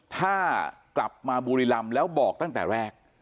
ถ้ากลับมาบุรีรำแล้วบอกตั้งแต่แรก